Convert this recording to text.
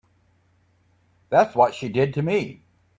That's what she did to me.